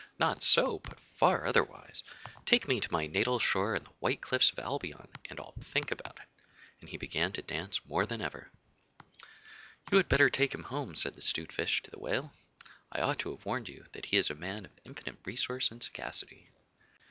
'Not so, but far otherwise. Take me to my natal shore and the white cliffs of Albion, and I'll think about it.' And he began to dance more than ever. 'You had better take him home,' said the 'Stute Fish to the Whale. 'I ought to have warned you that he is a man of infinite resource and sagacity.